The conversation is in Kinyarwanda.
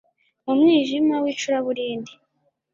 mu mwijima w'icuraburindi